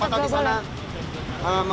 bagaimana kalau saya melintas